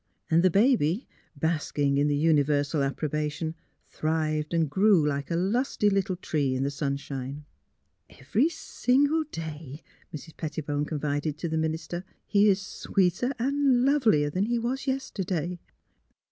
And the baby, basking in the universal approba tion, thrived and grew like a lusty little tree in the sunshine. '* Every single day," Mrs. Pettibone confided to the minister, ''he is sweeter and lovelier than he was yesterday."